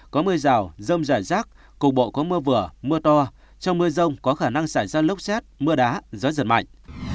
có mưa rào rông rải rác cục bộ có mưa vừa mưa to trong mưa rông có khả năng xảy ra lốc xét mưa đá gió giật mạnh